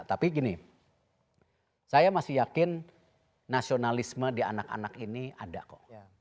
tapi gini saya masih yakin nasionalisme di anak anak ini ada kok